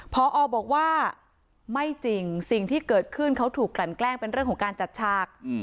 พอบอกว่าไม่จริงสิ่งที่เกิดขึ้นเขาถูกกลั่นแกล้งเป็นเรื่องของการจัดฉาก